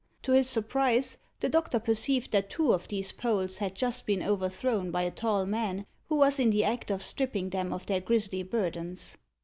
To his surprise, the doctor perceived that two of these poles had just been overthrown by a tall man, who was in the act of stripping them of their grisly burdens.